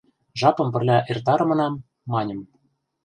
Жапым пырля эртарымынам, маньым...